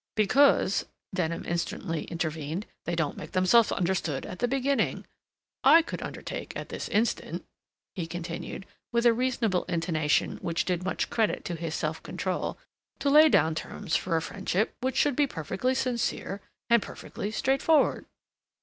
"Because," Denham instantly intervened, "they don't make themselves understood at the beginning. I could undertake, at this instant," he continued, with a reasonable intonation which did much credit to his self control, "to lay down terms for a friendship which should be perfectly sincere and perfectly straightforward."